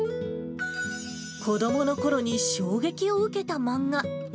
子どものころに衝撃を受けた漫画。